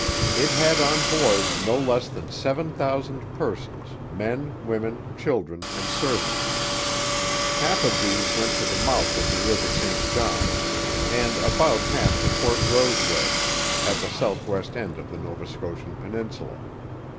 It had on board no less than seven thousand persons, men, women, children, and servants. Half of these went to the mouth of the river St John, and about half to Port Roseway, at the south west end of the Nova Scotian peninsula.